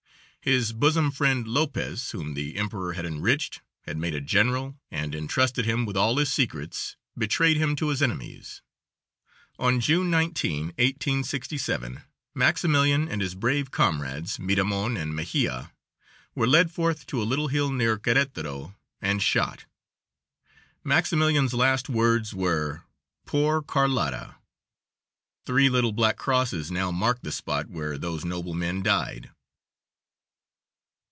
His bosom friend, Lopez, whom the emperor had enriched, had made a general, and intrusted him with all his secrets, betrayed him to his enemies. On June, 19, 1867, Maximilian and his brave comrades, Miramon and Mejia, were led forth to a little hill near Queretaro and shot. Maximilian's last words were: "Poor Carlotta." Three little black crosses now mark the spot where those noble men died.